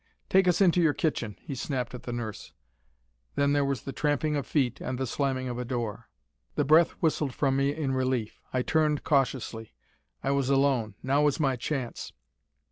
"Take us into your kitchen," he snapped at the nurse, then there was the tramping of feet and the slamming of a door. The breath whistled from me in relief. I turned cautiously. I was alone. Now was my chance.